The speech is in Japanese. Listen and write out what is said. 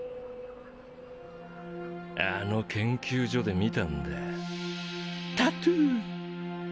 あの研究所で見たんだタトゥー。